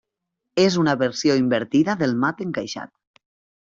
És una versió invertida del mat encaixat.